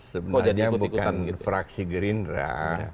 sebenarnya bukan fraksi gerindra